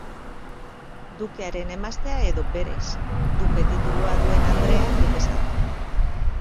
Dukearen emaztea edo berez duke titulua duen andrea dukesa da.